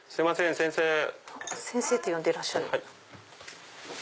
先生って呼んでらっしゃる。